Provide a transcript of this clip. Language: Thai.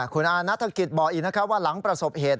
คุณอานัฐกิจบอกอีกนะครับว่าหลังประสบเหตุ